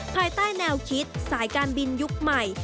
ภายใต้แนวคิดสายการบินยุคใหม่